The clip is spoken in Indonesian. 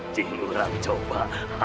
cik nurang coba